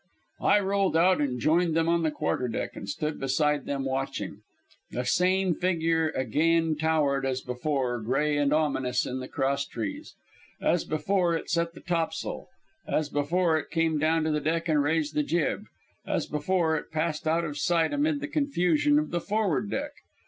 I rolled out and joined them on the quarterdeck and stood beside them watching. The same figure again towered, as before, gray and ominous in the crosstrees. As before, it set the tops'l; as before, it came down to the deck and raised the jib; as before, it passed out of sight amid the confusion of the forward deck.